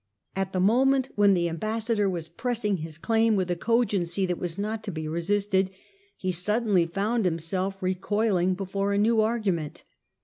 At the moment when the Ambassador was pressing his claim with a cogency that was not to be resisted, he suddenly found himself recoiling before a new aipiment.